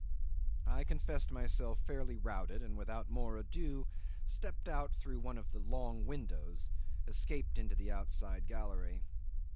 I confessed myself fairly routed, and without more ado, stepping out through one of the long windows, escaped into the outside gallery.